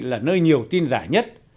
là nơi nhiều tin giả nhất